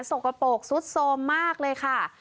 สกปรกซุดโทรมมากเลยค่ะ